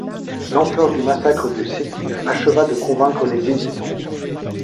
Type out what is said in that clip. L'ampleur du massacre de Sétif acheva de convaincre les hésitants.